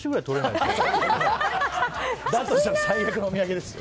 したら最悪のお土産ですよ。